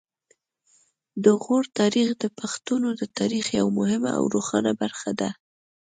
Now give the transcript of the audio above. د غور تاریخ د پښتنو د تاریخ یوه مهمه او روښانه برخه ده